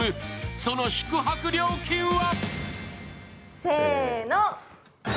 その宿泊料金は？